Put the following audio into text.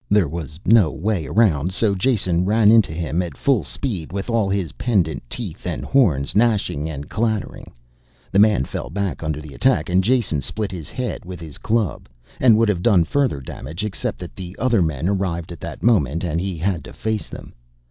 There was no way around so Jason ran into him at full speed with all of his pendant teeth and horns gnashing and clattering. The man fell back under the attack and Jason split his shield with his club, and would have done further damage except that the other men arrived at that moment and he had to face them.